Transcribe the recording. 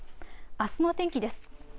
あすの天気です。